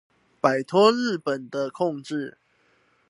擺脫日本的控制